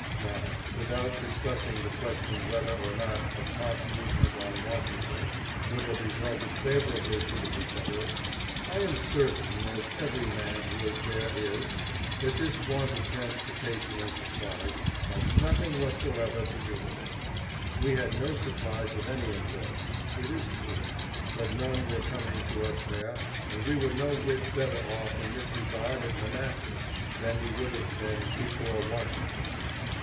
Now, without discussing the question whether or not a prompt movement on Washington would have resulted favorably to the Confederates, I am certain, as every man who was there is, that this want of transportation and supplies had nothing whatever to do with it. We had no supplies of any importance, it is true, but none were coming to us there, and we were no whit better off in this regard at Manassas than we would have been before Washington.